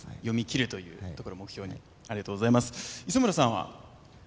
読み切るというところを目標にありがとうございます磯村さんは？